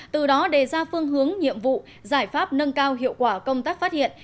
từ đó đề ra phương hướng nhiệm vụ giải pháp nâng cao hiệu quả công tác phát hiện